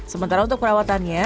sementara untuk perawatannya